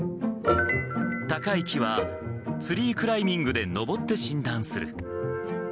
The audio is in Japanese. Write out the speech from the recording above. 高い木はツリークライミングで登って診断する。